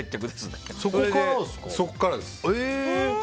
そこからです。